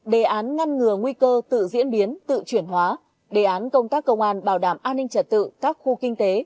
đề án ngăn ngừa nguy cơ tự diễn biến tự chuyển hóa đề án công tác công an bảo đảm an ninh trật tự các khu kinh tế